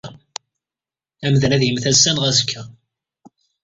Amdan ad yemmet ass-a neɣ azekka.